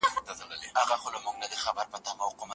تازه هوا د سږو د پاکوالي او د ذهن د ارامتیا لپاره اړینه ده.